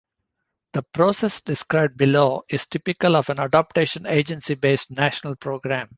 The process described below is typical of an "adoption-agency-based" national program.